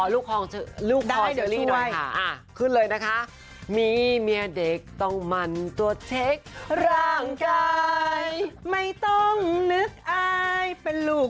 ลูกฐานนี้มีเหมือนเด็กต้องมันตัวเทกหล่างไก่ไม่ต้องเป็นลูก